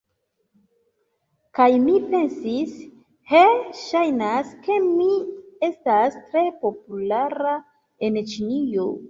Kaj mi pensis, he, ŝajnas ke mi estas tre populara en Ĉinio.